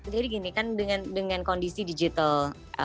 jadi gini kan dengan kondisi digital